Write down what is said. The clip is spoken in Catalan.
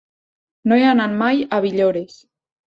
No he anat mai a Villores.